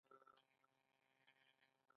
د بامیان په شیبر کې د څه شي نښې دي؟